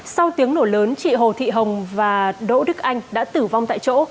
sau tiếng nổ lớn chị hồ thị hồng và đỗ đức anh đã tử vong tại chỗ